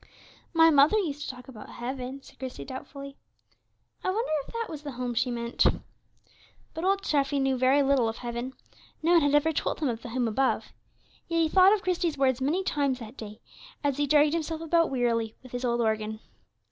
"My mother used to talk about heaven," said Christie, doubtfully. "I wonder if that was the home she meant?" But old Treffy knew very little of heaven; no one had ever told him of the home above. Yet he thought of Christie's words many times that day, as he dragged himself about wearily, with his old organ.